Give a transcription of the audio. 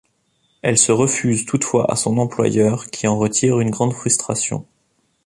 Elle se refuse toutefois à son employeur qui en retire une grande frustration.